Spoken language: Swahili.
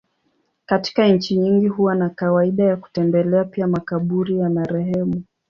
Katika nchi nyingi huwa na kawaida ya kutembelea pia makaburi ya marehemu.